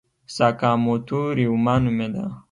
ساکاموتو ریوما نومېده.